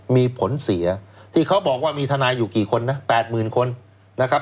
มีผลเสียที่เขาบอกว่ามีทนายอยู่กี่คนนะ๘๐๐๐คนนะครับ